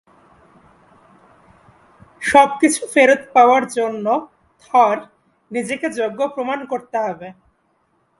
সবকিছু ফেরত পাওয়ার জন্য থর নিজেকে যোগ্য প্রমাণ করতে হবে।